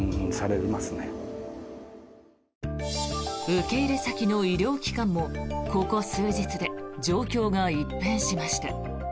受け入れ先の医療機関もここ数日で状況が一変しました。